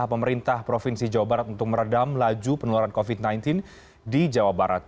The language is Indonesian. pemerintah provinsi jawa barat untuk meredam laju penularan covid sembilan belas di jawa barat